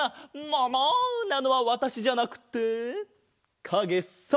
もも！なのはわたしじゃなくてかげさ！